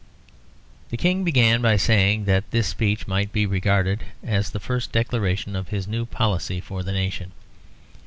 The King began by saying that this speech might be regarded as the first declaration of his new policy for the nation.